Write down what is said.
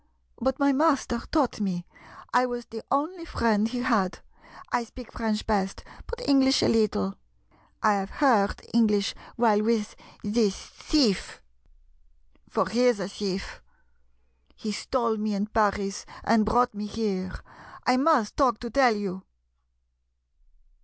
"But my master taught me. I was the only friend he had. I speak French best, but English a little. I have heard English while with this thief; 62 THE GYPSY'S FLIGHT for he is a thi'ef. He stole me in Paris and brought me here. I must talk to tell you."